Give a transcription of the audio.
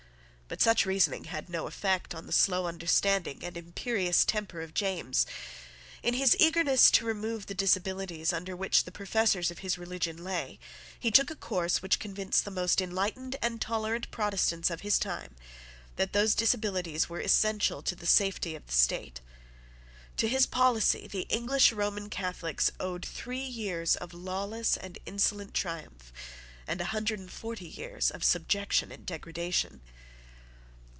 But such reasoning had no effect on the slow understanding and imperious temper of James. In his eagerness to remove the disabilities under which the professors of his religion lay, he took a course which convinced the most enlightened and tolerant Protestants of his time that those disabilities were essential to the safety of the state. To his policy the English Roman Catholics owed three years of lawless and insolent triumph, and a hundred and forty years of subjection and degradation.